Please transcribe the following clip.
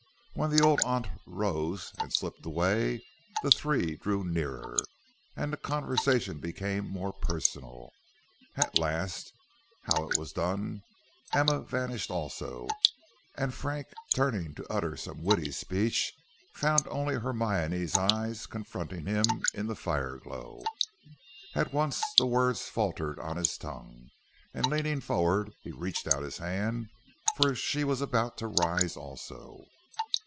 When the old aunt rose and slipped away, the three drew nearer, and the conversation became more personal. At last how was it done Emma vanished also, and Frank, turning to utter some witty speech, found only Hermione's eyes confronting him in the fire glow. At once the words faltered on his tongue, and leaning forward he reached out his hand, for she was about to rise also.